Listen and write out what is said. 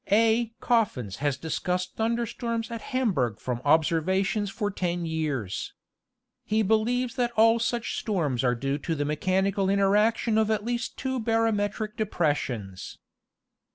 A. Croffins has discussed thunder storms at Hamberg from observations for ten years. He believes that all such storms are due to the mechanical interaction of at least two barometric depressions.